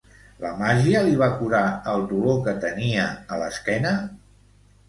La màgia li va curar el dolor que tenia a l'esquena?